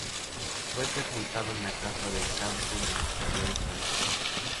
Fue sepultado en la casa de campo en la que se había instalado.